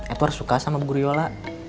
edward suka sama ibu guru yola